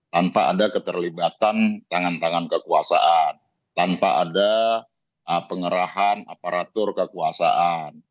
tanpa ada keterlibatan tangan tangan kekuasaan tanpa ada pengerahan aparatur kekuasaan